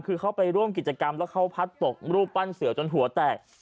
คือเขาไปร่วมกิจกรรมแล้วเขาพัดตกรูปปั้นเสือจนหัวแตก